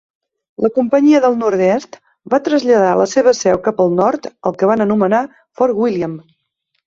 La companyia del nord-oest va traslladar la seva seu cap al nord, al que van anomenar Fort William.